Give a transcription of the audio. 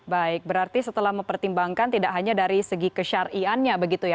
baik berarti setelah mempertimbangkan tidak hanya dari segi kesyariahannya